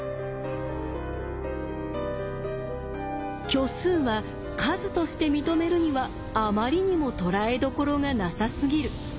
虚数は数として認めるにはあまりにもとらえどころがなさすぎる。